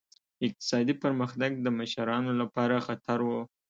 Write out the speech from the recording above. اقتصادي پرمختګ د مشرانو لپاره خطر و.